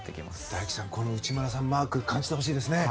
大輝さんにこの内村さんマーク感じてほしいですね。